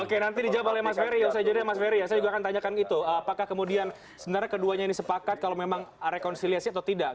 oke nanti dijawab oleh mas ferry saya juga akan tanyakan itu apakah kemudian sebenarnya keduanya ini sepakat kalau memang rekonsiliasi atau tidak